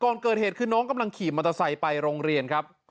ก่อนเกิดเหตุคือน้องกำลังขี่มอเตอร์ไซค์ไปโรงเรียนครับ